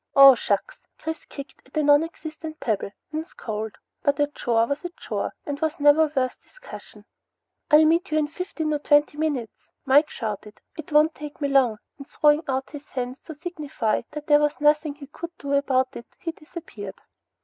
"Aw shucks!" Chris kicked at a nonexistent pebble and scowled. But a chore was a chore, and was never worth discussion. "I'll meetcha in fifteen or twenty minutes," Mike shouted. "It won't take me long," and throwing out his hands to signify that there was nothing he could do about it he disappeared.